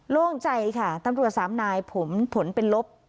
โล่งใจค่ะตำรวจสามนายผมผลเป็นลบ